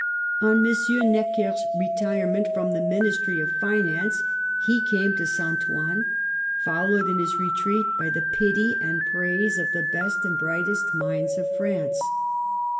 On M. Necker's retirement from the Ministry of Finance he came to St. Ouen, followed in his retreat by the pity and praise of the best and brightest minds of France.